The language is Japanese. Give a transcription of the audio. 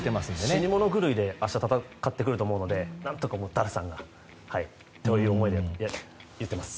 死に物狂いで明日、戦ってくると思うので何とかダルさんがという思いで言っています。